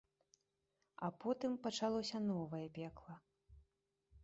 А потым пачалося новае пекла.